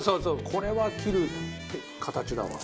これは切る形だわ。